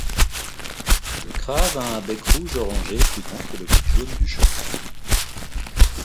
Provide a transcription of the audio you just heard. Le crave a un bec rouge-orangé plus grand que le bec jaune du chocard.